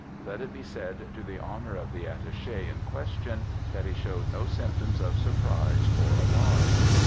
Let it be said to the honour of the attaché in question that he showed no symptoms of surprise or alarm.